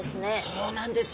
そうなんですよ。